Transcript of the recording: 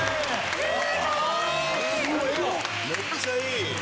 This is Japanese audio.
めっちゃいい！